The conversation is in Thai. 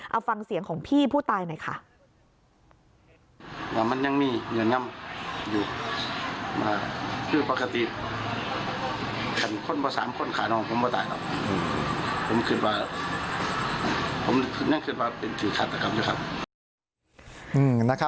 เอาฟังเสียงของพี่ผู้ตายหน่อยค่ะ